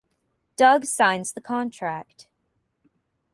Doug signs the contract.